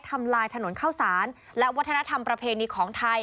ทำลายถนนเข้าสารและวัฒนธรรมประเพณีของไทย